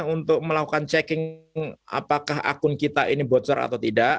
untuk melakukan checking apakah akun kita ini bocor atau tidak